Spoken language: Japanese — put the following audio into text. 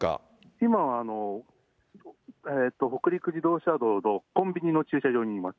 今は北陸自動車道のコンビニの駐車場にいます。